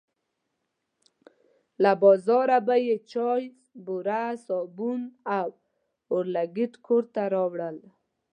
له بازاره به یې چای، بوره، صابون او اورلګیت کور ته وړل.